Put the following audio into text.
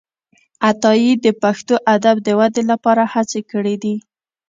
عطايي د پښتو ادب د ودې لپاره هڅي کړي دي.